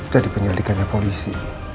jadi penyelidikannya polisi